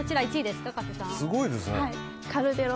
すごいですね。